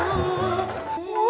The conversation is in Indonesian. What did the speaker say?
akan menjadi veneer